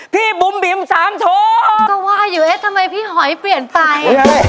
บุ๋มบิมสามโทก็ว่าอยู่เอ๊ะทำไมพี่หอยเปลี่ยนไป